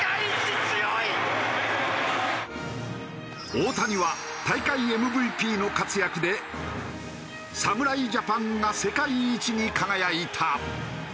大谷は大会ＭＶＰの活躍で侍ジャパンが世界一に輝いた。